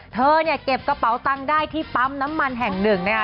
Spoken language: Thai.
เธอเนี่ยเก็บกระเป๋าตังค์ได้ที่ปั๊มน้ำมันแห่งหนึ่งนะคะ